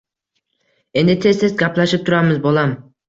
Endi, tez-tez gaplashib turamiz, bolam